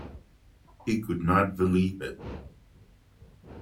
He could not believe it.